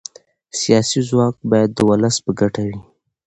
سیاسي ځواک باید د ولس په ګټه وي